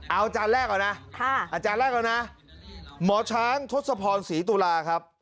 เอาอาจารย์แรกก่อนนะอาจารย์แรกแล้วนะหมอช้างทศพรศรีตุลาครับ